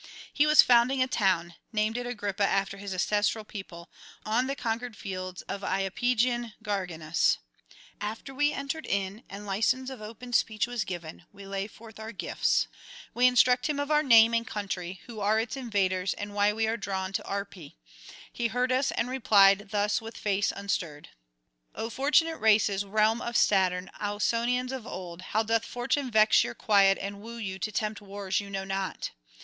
He was founding a town, named Argyripa after his ancestral people, on the conquered fields of Iapygian Garganus. After we entered in, and licence of open speech was given, we lay forth our gifts, we instruct him of our name and country, who are its invaders, and why we are drawn to Arpi. He heard us, and replied thus with face unstirred: '"O fortunate races, realm of Saturn, Ausonians of old, how doth fortune vex your quiet and woo you to tempt wars you know not?